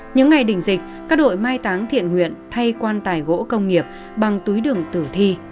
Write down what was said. những ngày đỉnh dịch các đội mai táng thiện nguyện thay quan tài gỗ công nghiệp bằng túi đường tử thi